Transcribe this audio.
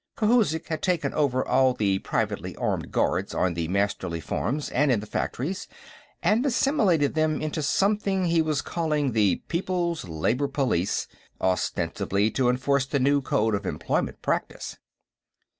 Khouzhik had taken over all the private armed guards on the Masterly farms and in the factories, and assimilated them into something he was calling the People's Labor Police, ostensibly to enforce the new Code of Employment Practice.